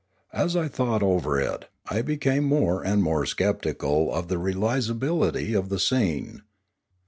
As I thought over it, I became more and more sceptical of the realisability of the scene.